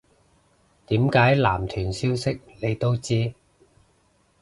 點解男團消息你都知